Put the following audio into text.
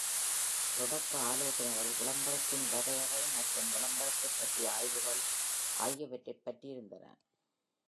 தொடக்க ஆலோசனைகள், விளம்பரத்தின் வரையறை மற்றும் விளம்பரத்தைப் பற்றிய ஆய்வுகள் ஆகியவற்றைப் பற்றியிருந்தன.